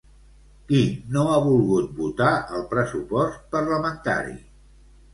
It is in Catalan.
Qui no ha volgut votar el pressupost parlamentari?